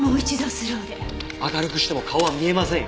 明るくしても顔は見えませんよ。